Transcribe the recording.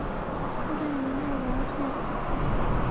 出身于奈良县。